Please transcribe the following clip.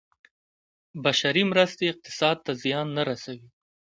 بشري مرستې اقتصاد ته زیان نه رسوي.